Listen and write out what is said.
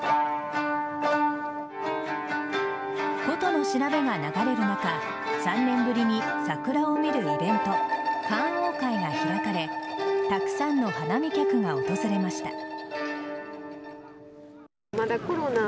琴の調べが流れる中３年ぶりに桜を見るイベント観桜会が開かれたくさんの花見客が訪れました。